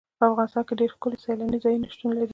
په افغانستان کې ډېر ښکلي سیلاني ځایونه شتون لري.